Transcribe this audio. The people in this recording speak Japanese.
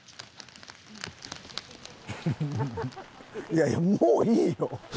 いやいやもういいよ。